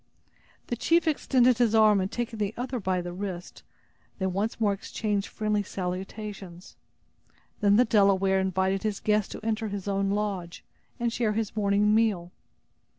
The chief extended his arm and taking the other by the wrist, they once more exchanged friendly salutations. Then the Delaware invited his guest to enter his own lodge, and share his morning meal.